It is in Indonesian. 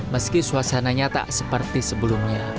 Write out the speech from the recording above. meski suasana nyata seperti sebelumnya